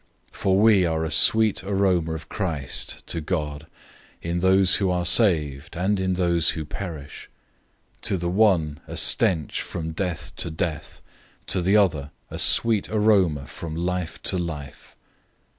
002:015 For we are a sweet aroma of Christ to God, in those who are saved, and in those who perish; 002:016 to the one a stench from death to death; to the other a sweet aroma from life to life.